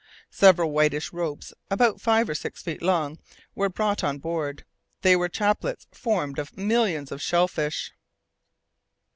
Several whitish ropes about five or six feet long were brought on board. They were chaplets formed of millions of pearly shell fish.